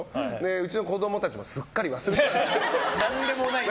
うちの子供たちもすっかり忘れてました。